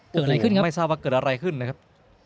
เกิดอะไรขึ้นครับไม่ทราบว่าเกิดอะไรขึ้นนะครับ